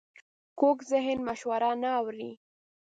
کوږ ذهن مشوره نه اوري